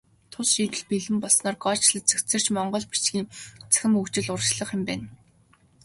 Тус шийдэл бэлэн болсноор кодчилол цэгцэрч, монгол бичгийн цахим хөгжил урагшлах юм байна.